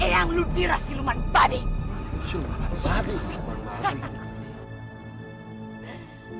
eyang ludira siluman bade